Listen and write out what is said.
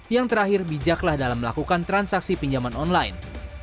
yang terakhir bijaklah dalam melakukan transaksi pinjaman online